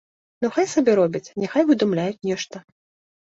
Ну хай сабе робяць, няхай выдумляюць нешта.